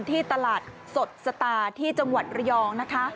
ที่ตลาดสดสตาร์ที่จังหวัดระยองนะคะ